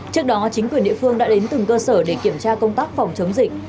trước đó chính quyền địa phương đã đến từng cơ sở để kiểm tra công tác phòng chống dịch